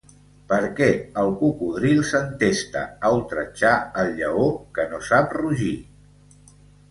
Per què el cocodril s’entesta a ultratjar el lleó, que no sap rugir?